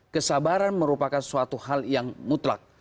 kesabaran merupakan suatu hal yang mutlak